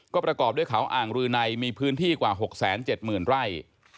ก็ประกอบด้วยเขาอ่างรืนัยมีพื้นที่กว่า๖๗๐๐ไร่